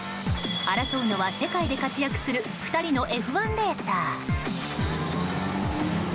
争うのは、世界で活躍する２人のＦ１レーサー。